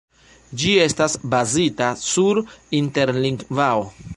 Ĝi estas bazita sur Interlingvao.